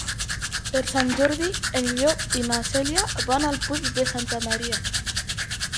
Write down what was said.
Per Sant Jordi en Llop i na Cèlia van al Puig de Santa Maria.